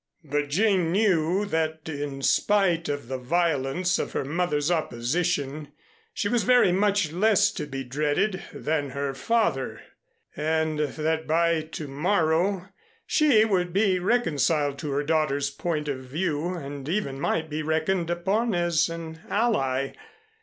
But Jane knew that in spite of the violence of her mother's opposition, she was very much less to be dreaded than her father, and that by to morrow she would be reconciled to her daughter's point of view and even might be reckoned upon as an ally.